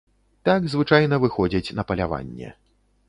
Так звычайна выходзяць на паляванне.